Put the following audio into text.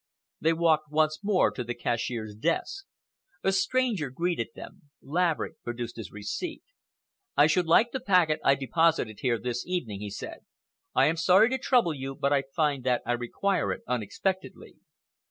They walked once more to the cashier's desk. A stranger greeted them. Laverick produced his receipt. "I should like the packet I deposited here this evening," he said. "I am sorry to trouble you, but I find that I require it unexpectedly."